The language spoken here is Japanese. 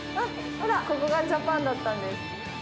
ここがジャパンだったんです。